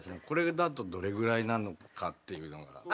これだとどれぐらいなのかっていうのが。